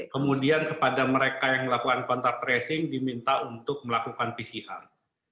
kemudian kepada mereka yang melakukan kontak tracing diminta untuk melakukan pcr